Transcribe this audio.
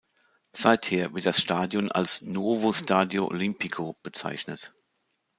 Seither wird das Stadion als "Nuovo Stadio Olimpico" bezeichnet.